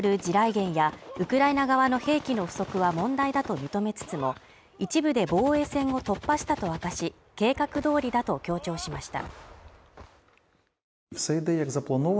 原やウクライナ側の兵器の不足は問題だと認めつつも一部で防衛線を突破したと明かし、計画通りだと強調しました。